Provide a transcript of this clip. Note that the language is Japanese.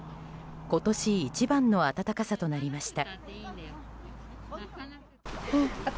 今年一番の暖かさとなりました。